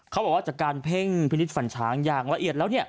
เขาบอกว่าจากการเพ่งพินิษฐฝันช้างอย่างละเอียดแล้วเนี่ย